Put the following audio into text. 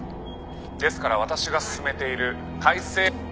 「ですから私が進めている改正」